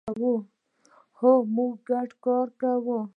هو، موږ ګډ کار کوو